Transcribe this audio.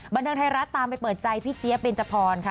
บันเทิงไทยรัฐตามไปเปิดใจพี่เจี๊ยบเบนจพรค่ะ